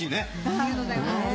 ありがとうございます。